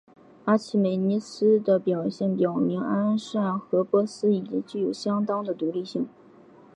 阿契美尼斯的表现表明安善和波斯已经具有相当的独立性。